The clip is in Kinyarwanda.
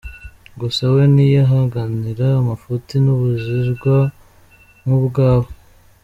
Gusa we ntiyihanganira amafuti n’ubujajwa nk’ubwawe.